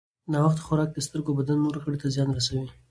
ناوخته خوراک د سترګو او بدن نورو غړو ته زیان رسوي.